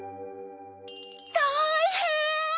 たいへん！